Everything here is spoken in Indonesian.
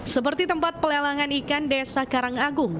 seperti tempat pelelangan ikan desa karangagung